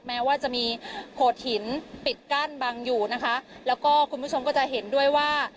แม้ว่าจะมีโขดหินปิดกั้นบังอยู่นะคะแล้วก็คุณผู้ชมก็จะเห็นด้วยว่า